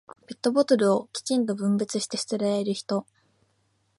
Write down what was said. ペットボトルをきちんと分別して捨てられる人。